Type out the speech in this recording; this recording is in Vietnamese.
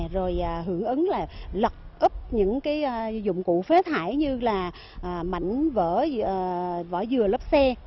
rồi hưởng ứng là lật úp những dụng cụ phế thải như là